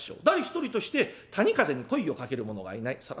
誰一人として谷風に声をかける者がいない。